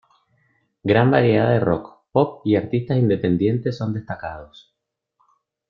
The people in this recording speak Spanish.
Gran variedad de rock, pop y artistas independientes son destacados.